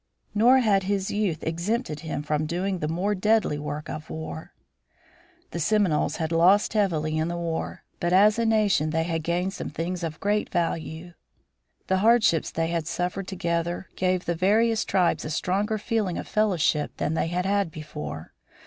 Nor had his youth exempted him from doing the more deadly work of war. The Seminoles had lost heavily in the war, but as a nation they had gained some things of great value. The hardships they had suffered together gave the various tribes a stronger feeling of fellowship than they had had before.